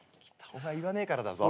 お前言わねえからだぞ。